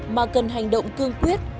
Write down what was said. mà cần hành động cương quyết